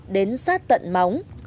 đến sát tận móng